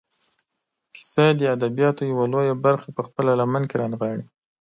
کیسه د ادبیاتو یوه لویه برخه په خپله لمن کې رانغاړي.